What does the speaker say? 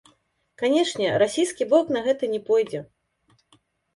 Канечне, расійскі бок на гэта не пойдзе.